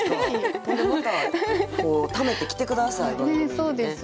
ほんでまたためて来て下さい番組にね。